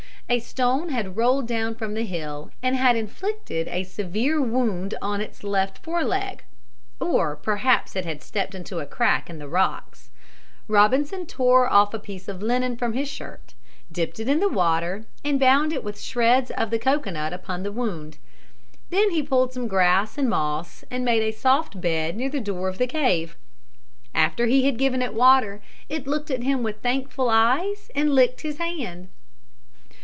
A stone had rolled down from the hill and had inflicted a severe wound on its left fore leg, or perhaps it had stepped into a crack in the rocks. Robinson tore off a piece of linen from his shirt, dipped it in water and bound it with shreds of the cocoanut upon the wound. Then he pulled some grass and moss and made a soft bed near the door of the cave. After he had given it water, it looked at him with thankful eyes and licked his hand.